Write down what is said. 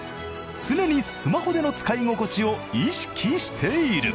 常にスマホでの使い心地を意識している。